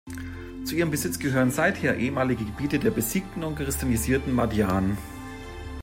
Zu ihrem Besitz gehörten seither ehemalige Gebiete der besiegten und christianisierten Magyaren.